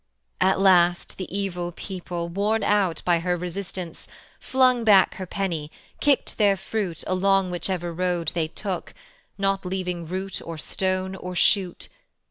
At last the evil people, Worn out by her resistance, Flung back her penny, kicked their fruit Along whichever road they took, Not leaving root or stone or shoot.